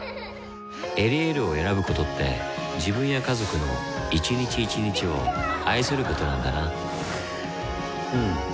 「エリエール」を選ぶことって自分や家族の一日一日を愛することなんだなうん。